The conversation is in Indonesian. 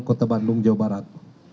kota bandung jawa barat